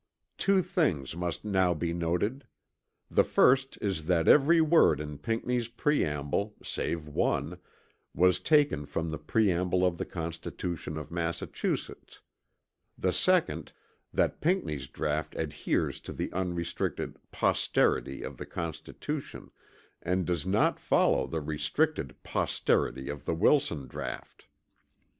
Two things must now be noted. The first is that every word in Pinckney's preamble, save one, was taken from the preamble of the constitution of Massachusetts; the second, that Pinckney's draught adheres to the unrestricted "posterity" of the constitution, and does not follow the restricted "posterity" of the Wilson draught.